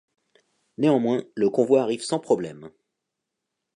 Néanmoins, le convoi arrive sans problème.